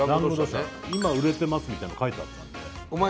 「今、売れてます！」みたいの書いてあったんでお前